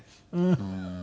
うん。